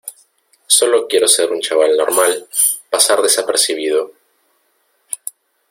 solo quiero ser un chaval normal, pasar desapercibido...